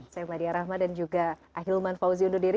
saya wladiyah rahman dan juga ahilman fauzi undur diri